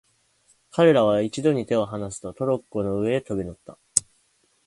彼等は一度に手をはなすと、トロッコの上へ飛び乗った。